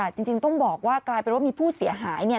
จริงต้องบอกว่ากลายเป็นว่ามีผู้เสียหายเนี่ย